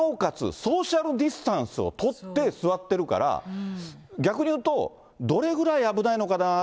ソーシャルディスタンスを取って座ってるから、逆にいうと、どれぐらい危ないのかなあ